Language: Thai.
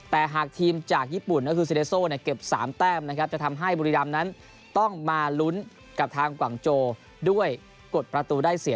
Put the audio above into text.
แต่หากทีมจากญี่ปุ่นก็คือซีเดโซเนี่ยเก็บ๓แต้มนะครับจะทำให้บุรีรำนั้นต้องมาลุ้นกับทางกว่างโจด้วยกดประตูได้เสีย